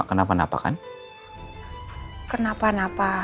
kok orang yang malah nelpon